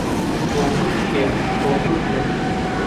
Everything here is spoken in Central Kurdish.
بۆ کورد ژیا، بۆ کورد مرد